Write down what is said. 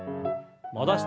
戻して。